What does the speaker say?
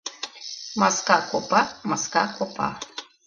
Маска копа, маска копа...